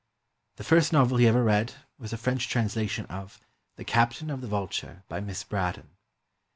The first novel he ever read was a French translation of "The Captain of the Vulture," by Miss Braddon.